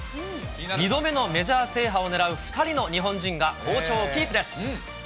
２度目のメジャー制覇をねらう２人の日本人が好調をキープです。